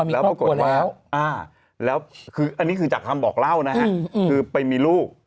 แล้วปรากฏว่าแล้วคืออันนี้คือจากคำบอกเล่านะฮะคือไปมีลูก